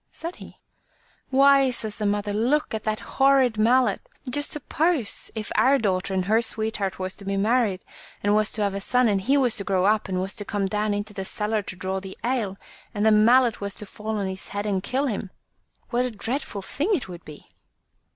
says he. "Why," says the mother, "look at that horrid mallet. Just suppose if our daughter and her sweetheart was to be married, and was to have a son, and he was to grow up, and was to come down into the cellar to draw the ale, and the mallet was to fall on his head and kill him, what a dreadful thing it would be!"